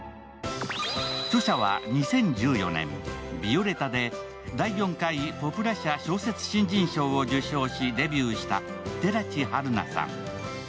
著者は２０１４年「ビオレタ」で第４回ポプラ社小説新人賞を受賞しデビューした寺地はるなさん。